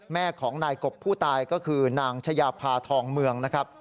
แม่ของนายกบผู้ตายก็คือนางชายาพาทองเมืองนะครับ